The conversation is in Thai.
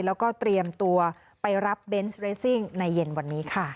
แล้วก็เตรียมตัวไปรับเบนส์เรสซิ่งในเย็นวันนี้ค่ะ